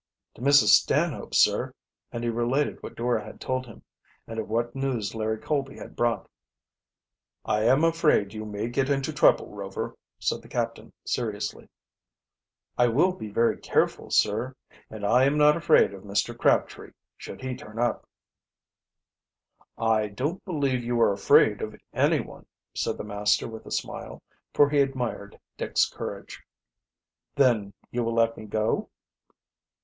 "To Mrs. Stanhope's, sir," and he related what Dora had told him, and of what news Larry Colby had brought. "I am afraid you may get into trouble, Rover," said the captain seriously. "I will be very careful, sir. I am not afraid of Mr. Crabtree, should he turn up." "I don't believe you are afraid of anyone," said the master with a smile, for he admired Dick's courage. "Then you will let me go?"